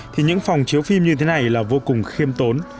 thì những phòng chiếu phim như thế này là vô cùng khiêm tốn